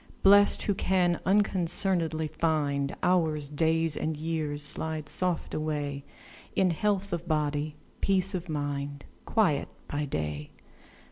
Blest, who can unconcern'dly find Hours, days, and years, slide soft away In health of body, peace of mind, Quiet by day.